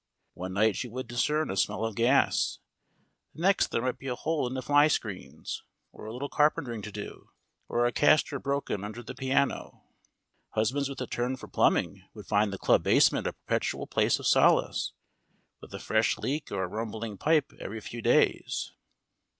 One night she would discern a smell of gas, the next there might be a hole in the fly screens, or a little carpentering to do, or a caster broken under the piano. Husbands with a turn for plumbing would find the club basement a perpetual place of solace, with a fresh leak or a rumbling pipe every few days.